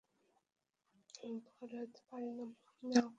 আমি পথে বাহির হইতে পারি, নাও পারি।